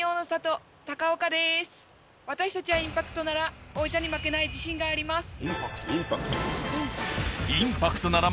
私たちはインパクトなら王者に負けない自信があります！